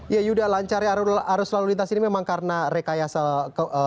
ya yuda lancarnya arus lalu lintas ini memang karena rekayasa keuangan